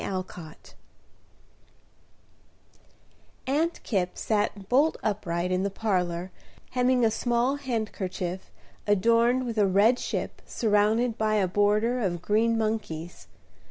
III Aunt Kipp sat bolt upright in the parlor, hemming a small handkerchief, adorned with a red ship, surrounded by a border of green monkeys.